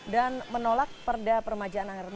dan menolak perda permajaan